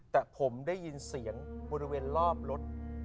แต่ผมได้ยินเสียงบริเวณรอบรถ